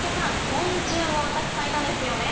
昆虫もたくさんいたんですよね？